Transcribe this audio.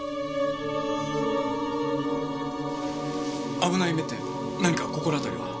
危ない目って何か心当たりは？